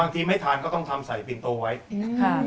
บางทีไม่ทานก็ต้องทำใส่ปีนโตไว้